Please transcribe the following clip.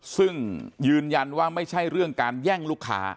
ซึ่งยืนยันว่าไม่ใช่เรื่องการแย่งลูกค้า